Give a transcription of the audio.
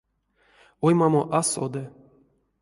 Оймамо а соды.